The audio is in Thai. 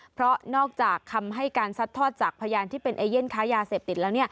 เพราะนอกจากคำให้การซัดทอดจากพยานที่เป็นเอเย่นค้ายาเสพติดแล้ว